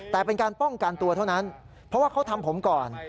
แต่เป็นการป้องกันตัวเท่านั้นเพราะว่าเขาทำผมก่อน